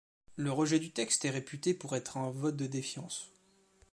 Le rejet du texte est réputé être un vote de défiance.